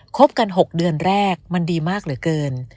คบกัน๖เดือนแรกมันดีมากเหลือเกิน